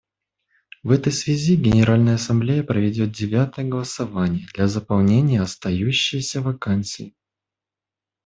В этой связи Генеральная Ассамблея проведет девятое голосование для заполнения остающейся вакансии.